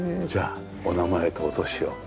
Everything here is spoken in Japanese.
じゃあお名前とお年を。